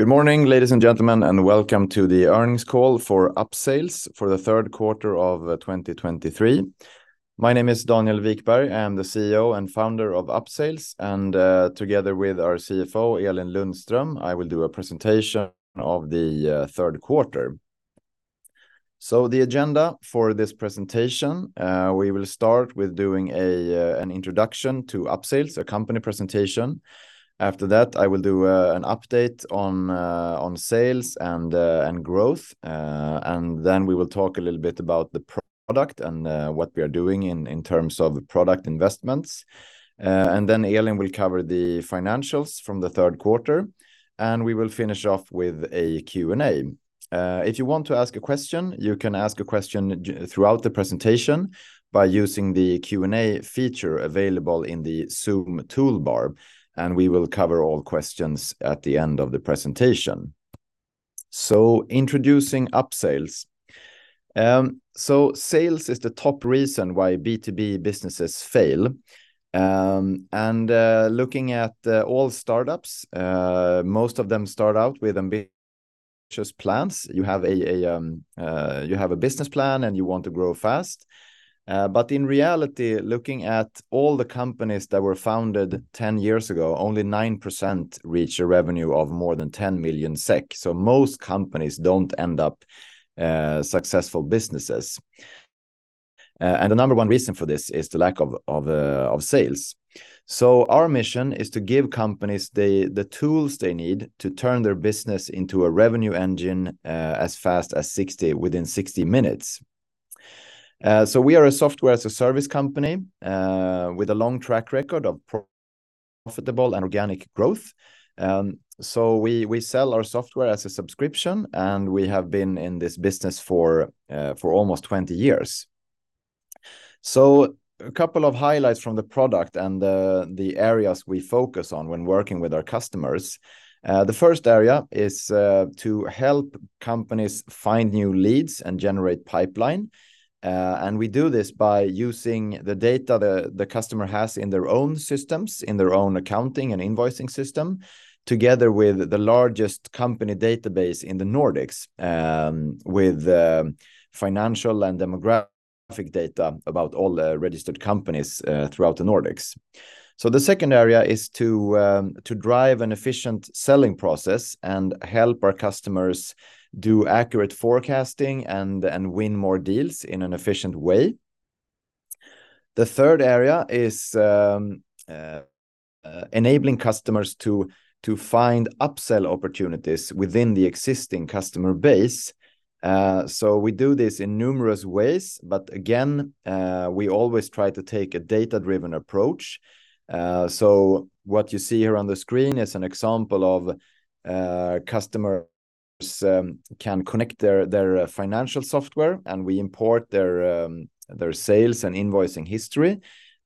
Good morning, ladies and gentlemen, and welcome to the earnings call for Upsales for the third quarter of 2023. My name is Daniel Wikberg. I'm the CEO and founder of Upsales, and together with our CFO, Elin Lundström, I will do a presentation of the third quarter. So the agenda for this presentation, we will start with doing an introduction to Upsales, a company presentation. After that, I will do an update on sales and growth. And then we will talk a little bit about the product and what we are doing in terms of product investments. And then Elin will cover the financials from the third quarter, and we will finish off with a Q&A. If you want to ask a question, you can ask a question throughout the presentation by using the Q&A feature available in the Zoom toolbar, and we will cover all questions at the end of the presentation. Introducing Upsales. Sales is the top reason why B2B businesses fail. Looking at all startups, most of them start out with ambitious plans. You have a business plan, and you want to grow fast. But in reality, looking at all the companies that were founded 10 years ago, only 9% reach a revenue of more than 10 million SEK. Most companies don't end up successful businesses. The number one reason for this is the lack of sales. So our mission is to give companies the tools they need to turn their business into a revenue engine, as fast as 60 within 60 minutes. So we are a software as a service company, with a long track record of profitable and organic growth. So we sell our software as a subscription, and we have been in this business for almost 20 years. So a couple of highlights from the product and the areas we focus on when working with our customers. The first area is to help companies find new leads and generate pipeline. And we do this by using the data the customer has in their own systems, in their own accounting and invoicing system, together with the largest company database in the Nordics, with financial and demographic data about all the registered companies, throughout the Nordics. So the second area is to drive an efficient selling process and help our customers do accurate forecasting and win more deals in an efficient way. The third area is enabling customers to find upsell opportunities within the existing customer base. So we do this in numerous ways, but again, we always try to take a data-driven approach. So what you see here on the screen is an example of how customers can connect their financial software, and we import their sales and invoicing history,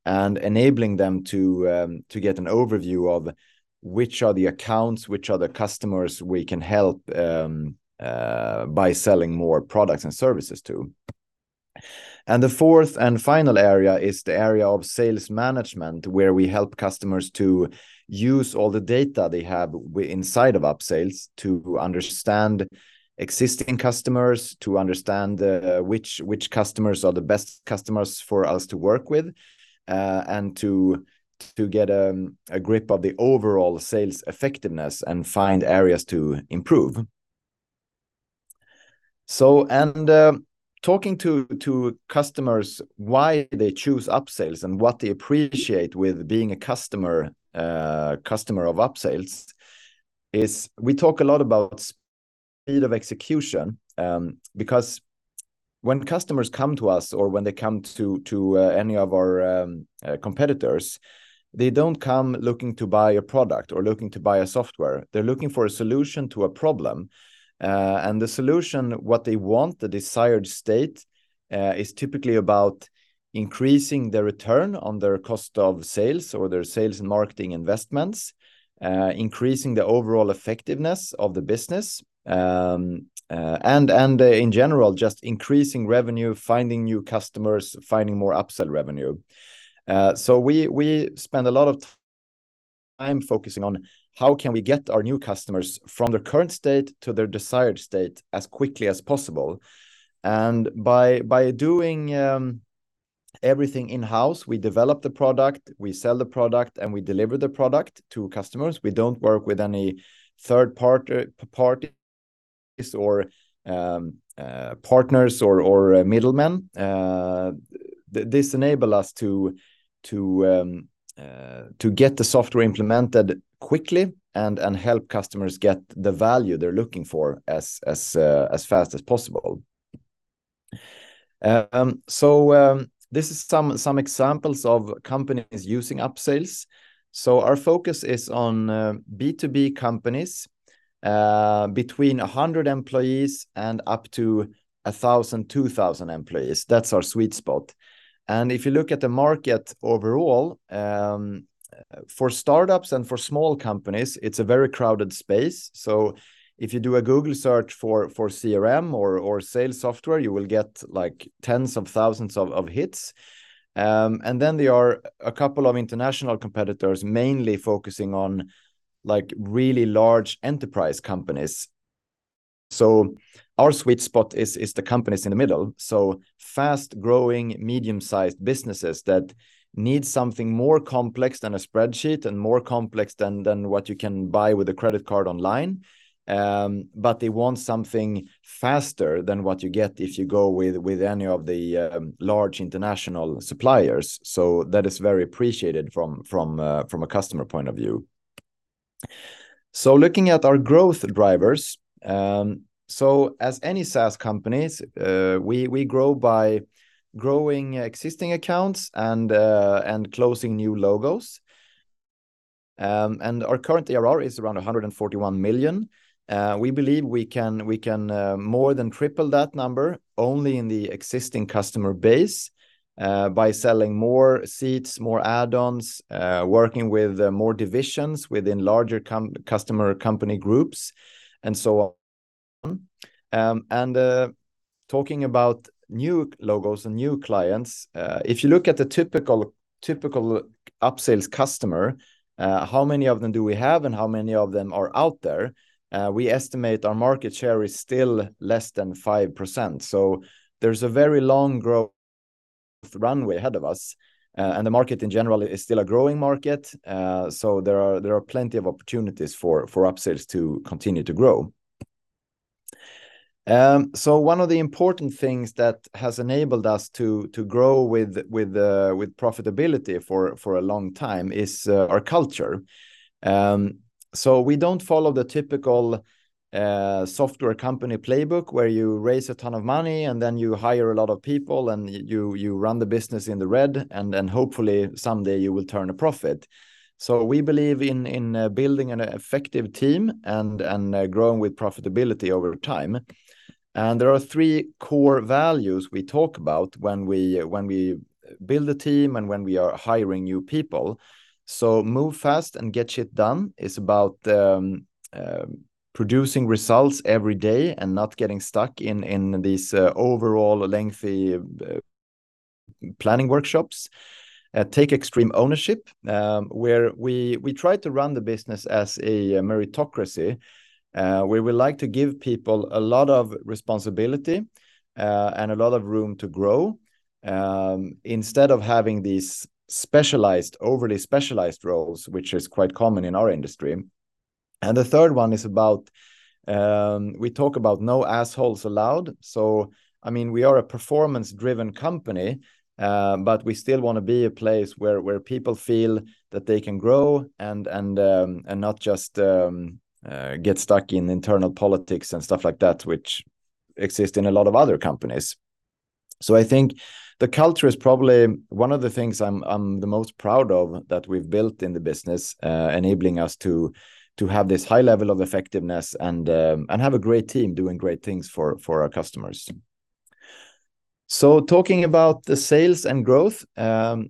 enabling them to get an overview of which are the accounts, which are the customers we can help by selling more products and services to. The fourth and final area is the area of sales management, where we help customers to use all the data they have inside of Upsales to understand existing customers, to understand which customers are the best customers for us to work with, and to get a grip of the overall sales effectiveness and find areas to improve. So, and talking to customers, why they choose Upsales and what they appreciate with being a customer customer of Upsales, is we talk a lot about speed of execution. Because when customers come to us or when they come to any of our competitors, they don't come looking to buy a product or looking to buy a software. They're looking for a solution to a problem, and the solution, what they want, the desired state, is typically about increasing the return on their cost of sales or their sales and marketing investments, increasing the overall effectiveness of the business, and in general, just increasing revenue, finding new customers, finding more upsell revenue. So we spend a lot of time focusing on how can we get our new customers from their current state to their desired state as quickly as possible. And by doing everything in-house, we develop the product, we sell the product, and we deliver the product to customers. We don't work with any third party, parties or partners or middlemen. This enables us to get the software implemented quickly and help customers get the value they're looking for as fast as possible. So this is some examples of companies using Upsales. So our focus is on B2B companies between 100 employees and up to 1,000-2,000 employees. That's our sweet spot. If you look at the market overall, for startups and for small companies, it's a very crowded space. So if you do a Google search for CRM or sales software, you will get, like, tens of thousands of hits. And then there are a couple of international competitors, mainly focusing on, like, really large enterprise companies.... So our sweet spot is the companies in the middle. So fast-growing, medium-sized businesses that need something more complex than a spreadsheet and more complex than what you can buy with a credit card online. But they want something faster than what you get if you go with any of the large international suppliers. So that is very appreciated from a customer point of view. So looking at our growth drivers, so as any SaaS companies, we grow by growing existing accounts and closing new logos. Our current ARR is around 141 million. We believe we can more than triple that number only in the existing customer base, by selling more seats, more add-ons, working with more divisions within larger customer company groups, and so on. Talking about new logos and new clients, if you look at the typical Upsales customer, how many of them do we have and how many of them are out there? We estimate our market share is still less than 5%, so there's a very long growth runway ahead of us. The market in general is still a growing market. So there are plenty of opportunities for Upsales to continue to grow. So one of the important things that has enabled us to grow with profitability for a long time is our culture. So we don't follow the typical software company playbook, where you raise a ton of money, and then you hire a lot of people, and you run the business in the red, and then hopefully someday you will turn a profit. So we believe in building an effective team and growing with profitability over time. And there are three core values we talk about when we build a team and when we are hiring new people. So move fast and get done is about producing results every day and not getting stuck in these overall lengthy planning workshops. Take extreme ownership, where we try to run the business as a meritocracy. We would like to give people a lot of responsibility and a lot of room to grow instead of having these specialized, overly specialized roles, which is quite common in our industry. And the third one is about. We talk about no allowed. So, I mean, we are a performance-driven company, but we still wanna be a place where people feel that they can grow and not just get stuck in internal politics and stuff like that, which exist in a lot of other companies. So I think the culture is probably one of the things I'm the most proud of that we've built in the business, enabling us to have this high level of effectiveness and have a great team doing great things for our customers. Talking about the sales and growth,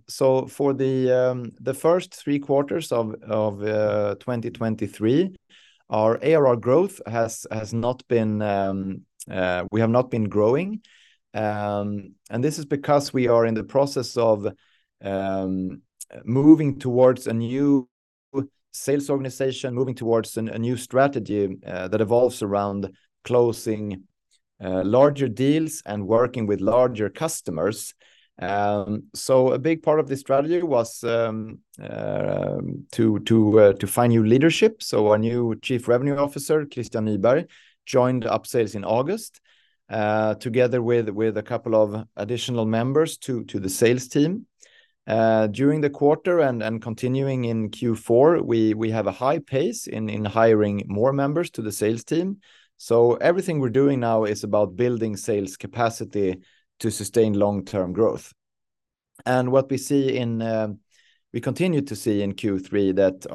for the first three quarters of 2023, our ARR growth has not been. We have not been growing. This is because we are in the process of moving towards a new sales organization, moving towards a new strategy that evolves around closing larger deals and working with larger customers. A big part of this strategy was to find new leadership. So our new Chief Revenue Officer, Christian Nyberg, joined Upsales in August, together with a couple of additional members to the sales team. During the quarter and continuing in Q4, we have a high pace in hiring more members to the sales team. So everything we're doing now is about building sales capacity to sustain long-term growth. And what we see—we continue to see in Q3 that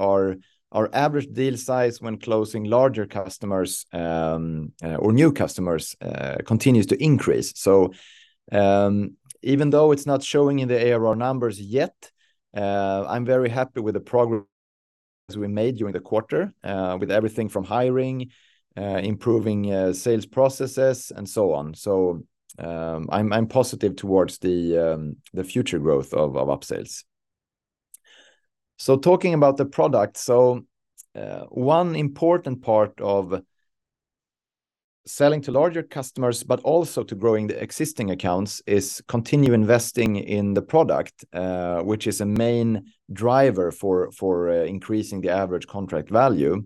our average deal size when closing larger customers or new customers continues to increase. So, even though it's not showing in the ARR numbers yet, I'm very happy with the progress we made during the quarter, with everything from hiring, improving, sales processes, and so on. So, I'm positive towards the future growth of Upsales. Talking about the product. One important part of selling to larger customers, but also to growing the existing accounts, is continue investing in the product, which is a main driver for increasing the average contract value.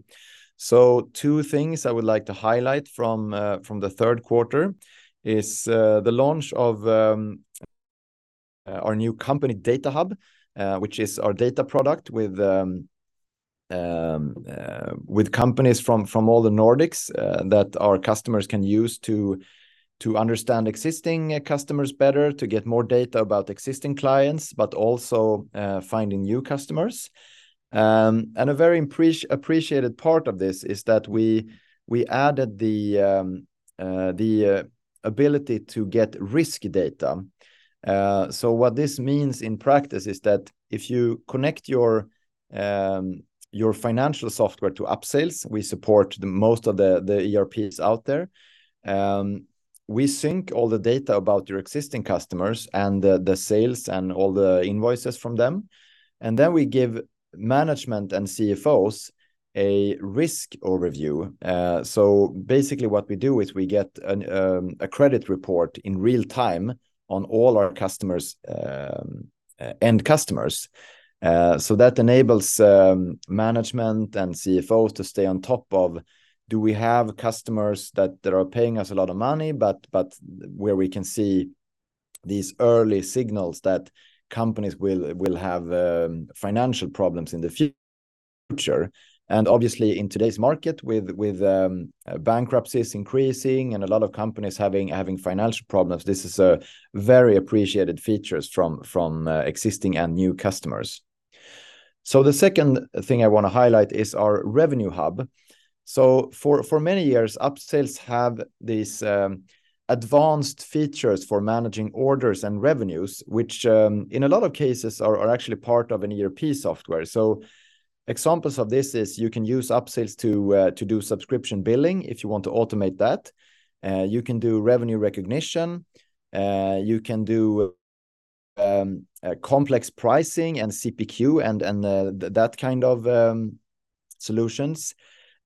Two things I would like to highlight from the third quarter is the launch of our new Company Data Hub, which is our data product with companies from all the Nordics that our customers can use to understand existing customers better, to get more data about existing clients, but also finding new customers. And a very appreciated part of this is that we added the ability to get risk data. So what this means in practice is that if you connect your your financial software to Upsales, we support most of the ERPs out there. We sync all the data about your existing customers and the sales and all the invoices from them, and then we give management and CFOs a risk overview. So basically, what we do is we get a credit report in real time on all our customers', end customers. So that enables management and CFOs to stay on top of, "Do we have customers that are paying us a lot of money?" But where we can see these early signals that companies will have financial problems in the future. And obviously, in today's market, with bankruptcies increasing and a lot of companies having financial problems, this is a very appreciated features from existing and new customers. So the second thing I wanna highlight is our Revenue Hub. So for many years, Upsales have these advanced features for managing orders and revenues, which in a lot of cases are actually part of an ERP software. So examples of this is you can use Upsales to do subscription billing if you want to automate that. You can do revenue recognition. You can do a complex pricing and CPQ, and that kind of solutions.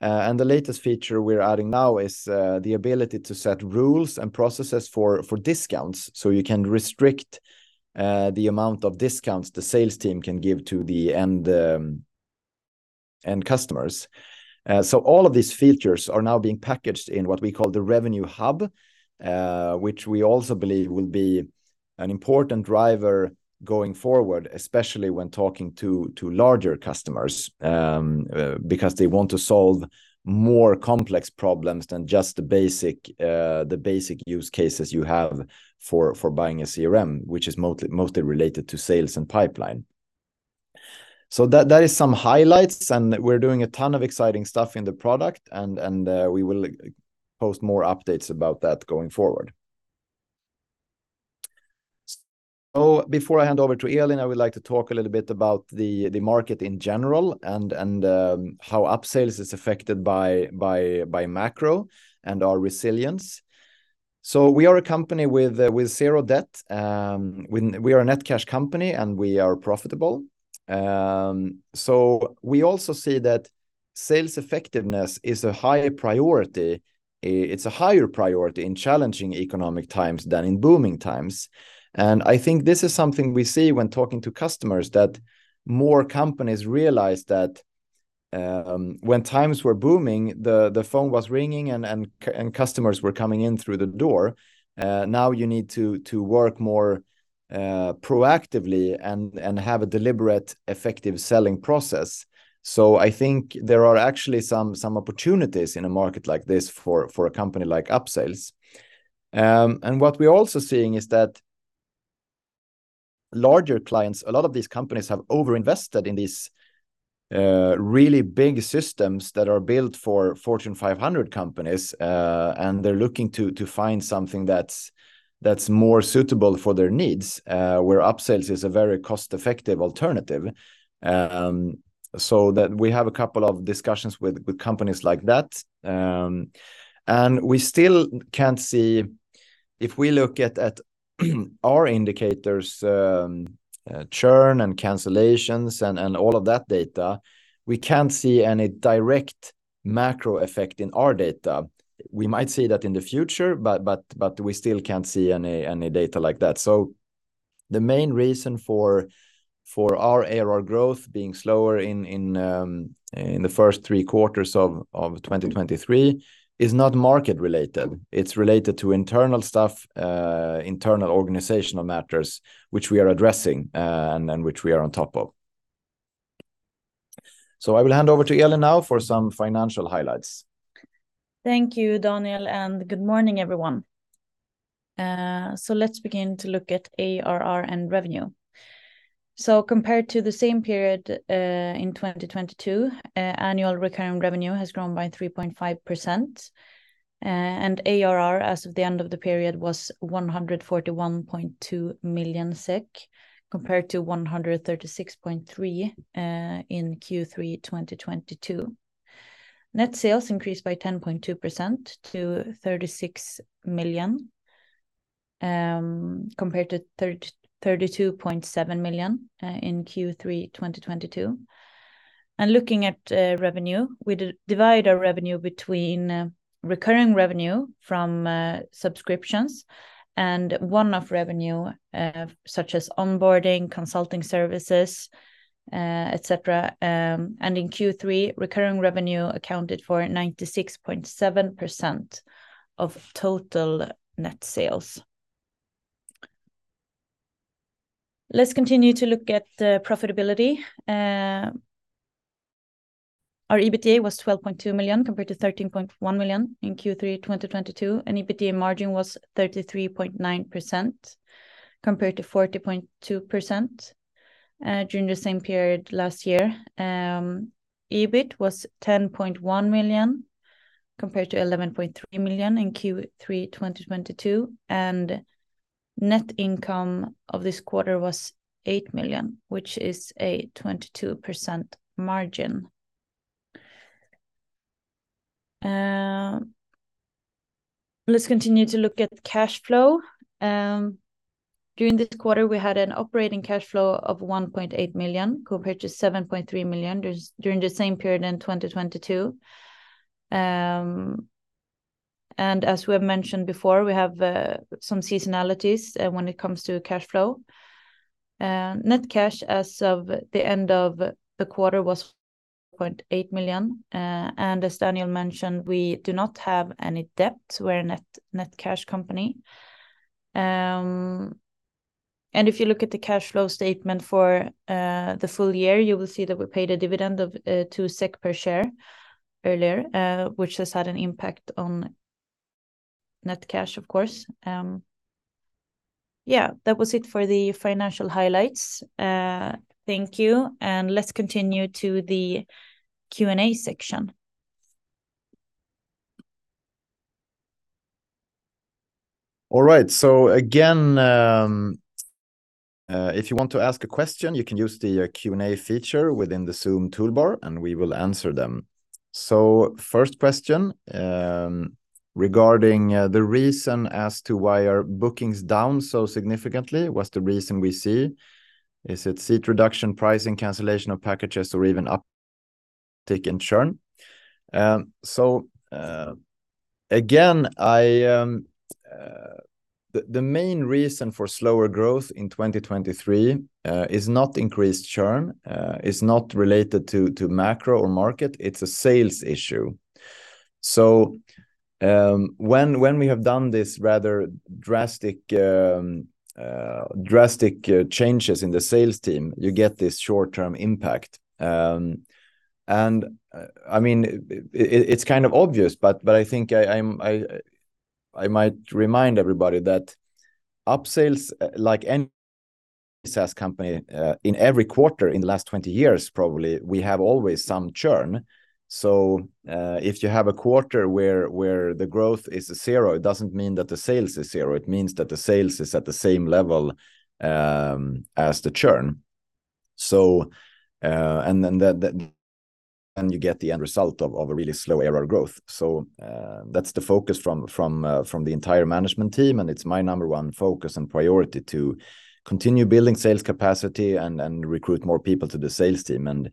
And the latest feature we're adding now is the ability to set rules and processes for discounts. So you can restrict the amount of discounts the sales team can give to the end customers. So all of these features are now being packaged in what we call the Revenue Hub, which we also believe will be an important driver going forward, especially when talking to larger customers. Because they want to solve more complex problems than just the basic use cases you have for buying a CRM, which is mostly related to sales and pipeline. So that is some highlights, and we're doing a ton of exciting stuff in the product, and we will post more updates about that going forward. So before I hand over to Elin, I would like to talk a little bit about the market in general, and how Upsales is affected by macro and our resilience. So we are a company with zero debt. We are a net cash company, and we are profitable. So we also see that sales effectiveness is a high priority. It's a higher priority in challenging economic times than in booming times, and I think this is something we see when talking to customers, that more companies realize that when times were booming, the phone was ringing, and customers were coming in through the door. Now you need to work more proactively and have a deliberate, effective selling process. So I think there are actually some opportunities in a market like this for a company like Upsales. And what we're also seeing is that larger clients, a lot of these companies, have over-invested in these really big systems that are built for Fortune 500 companies. And they're looking to find something that's more suitable for their needs, where Upsales is a very cost-effective alternative. So that we have a couple of discussions with companies like that. And we still can't see. If we look at our indicators, churn and cancellations and all of that data, we can't see any direct macro effect in our data. We might see that in the future, but we still can't see any data like that. So the main reason for our ARR growth being slower in the first three quarters of 2023 is not market related. It's related to internal stuff, internal organizational matters, which we are addressing, and which we are on top of. So I will hand over to Elin now for some financial highlights. Thank you, Daniel, and good morning, everyone. So let's begin to look at ARR and revenue. So compared to the same period in 2022, annual recurring revenue has grown by 3.5%. And ARR, as of the end of the period, was 141.2 million SEK, compared to 136.3 million in Q3 2022. Net sales increased by 10.2% to 36 million, compared to 32.7 million in Q3 2022. And looking at revenue, we divide our revenue between recurring revenue from subscriptions and one-off revenue, such as onboarding, consulting services, et cetera. And in Q3, recurring revenue accounted for 96.7% of total net sales. Let's continue to look at the profitability. Our EBITDA was 12.2 million, compared to 13.1 million in Q3 2022, and EBITDA margin was 33.9%, compared to 40.2% during the same period last year. EBIT was 10.1 million, compared to 11.3 million in Q3 2022. Net income of this quarter was 8 million, which is a 22% margin. Let's continue to look at cash flow. During this quarter, we had an operating cash flow of 1.8 million, compared to 7.3 million during the same period in 2022. And as we have mentioned before, we have some seasonalities when it comes to cash flow. Net cash, as of the end of the quarter, was 0.8 million. As Daniel mentioned, we do not have any debt. We're a net, net cash company. If you look at the cash flow statement for the full year, you will see that we paid a dividend of 2 SEK per share earlier, which has had an impact on net cash, of course. Yeah, that was it for the financial highlights. Thank you, and let's continue to the Q&A section. All right, so again, if you want to ask a question, you can use the Q&A feature within the Zoom toolbar, and we will answer them. So first question, regarding the reason as to why are bookings down so significantly, what's the reason we see? Is it seat reduction, pricing, cancellation of packages, or even uptick in churn? So again, the main reason for slower growth in 2023 is not increased churn, is not related to macro or market. It's a sales issue. So, when we have done this rather drastic changes in the sales team, you get this short-term impact. I mean, it's kind of obvious, but I think I might remind everybody that Upsales, like any SaaS company, in every quarter in the last 20 years, probably, we have always some churn. So, if you have a quarter where the growth is zero, it doesn't mean that the sales is zero. It means that the sales is at the same level as the churn. So, and then you get the end result of a really slow ARR growth. So, that's the focus from the entire management team, and it's my number one focus and priority to continue building sales capacity and recruit more people to the sales team.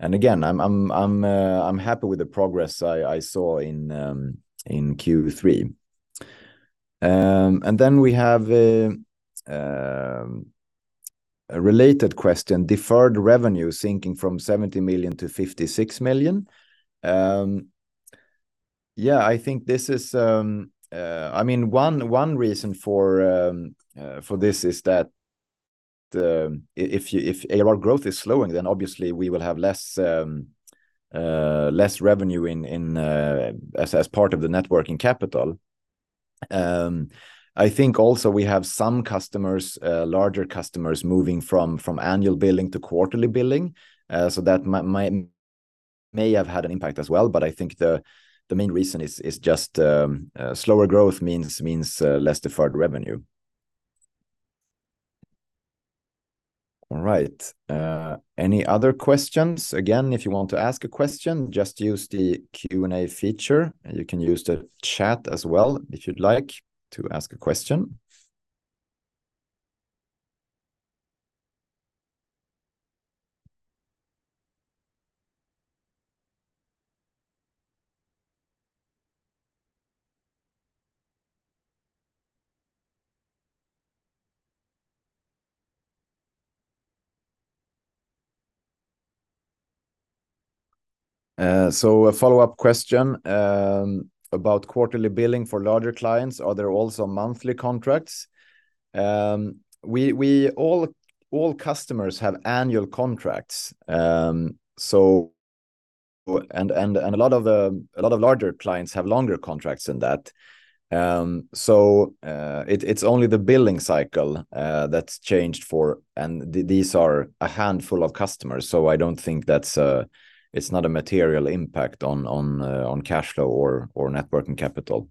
Again, I'm happy with the progress I saw in Q3. And then we have a related question, deferred revenue sinking from 70 million to 56 million. Yeah, I think this is... I mean, one reason for this is that if ARR growth is slowing, then obviously we will have less revenue as part of the net working capital. I think also we have some customers, larger customers moving from annual billing to quarterly billing. So that might have had an impact as well, but I think the main reason is just slower growth means less deferred revenue. All right, any other questions? Again, if you want to ask a question, just use the Q&A feature, and you can use the chat as well, if you'd like to ask a question. A follow-up question about quarterly billing for larger clients, are there also monthly contracts? All customers have annual contracts. A lot of larger clients have longer contracts than that. It's only the billing cycle that's changed for these, and these are a handful of customers, so I don't think it's a material impact on cash flow or net working capital.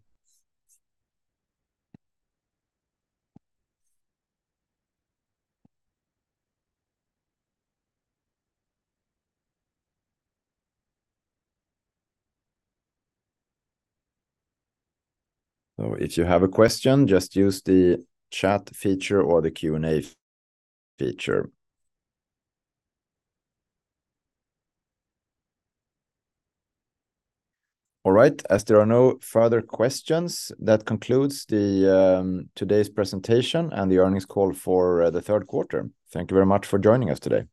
So if you have a question, just use the chat feature or the Q&A feature. All right, as there are no further questions, that concludes the today's presentation and the earnings call for the third quarter. Thank you very much for joining us today.